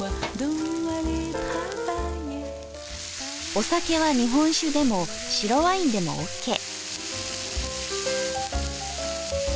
お酒は日本酒でも白ワインでもオッケー。